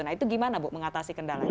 nah itu gimana bu mengatasi kendalanya